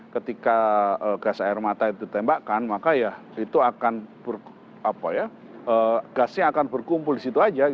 ketika gas air mata ditembakkan maka ya itu akan berkumpul di situ saja